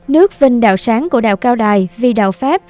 nước vinh đạo sáng của đạo cao đài vi đạo pháp